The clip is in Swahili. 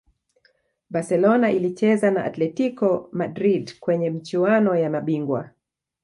Barcelona ilicheza na Atletico Madrid kwenye michuano ya mabingwa